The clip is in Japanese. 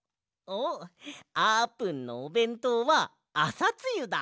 おっあーぷんのおべんとうはあさつゆだ！